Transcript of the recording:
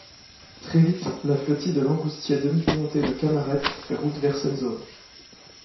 Très vite la flottille de langoustiers demi-pontés de Camaret fait route vers cette zone.